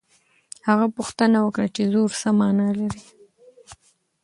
هغه پوښتنه وکړه چې زور څه مانا لري.